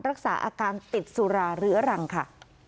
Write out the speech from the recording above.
รักษาอาการติดสุราเรื้อรังค่ะ